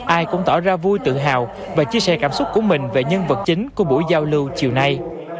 ai cũng tỏ ra vui tự hào và chia sẻ cảm xúc của mình về nhân vật chính của buổi giao lưu chiều nay